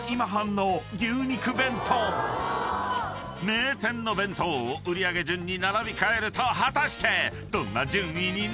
［名店の弁当を売り上げ順に並び替えると果たしてどんな順位になるのか？］